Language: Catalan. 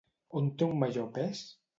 On té un major pes?